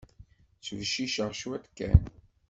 Ttbecciceɣ cwiṭ kan.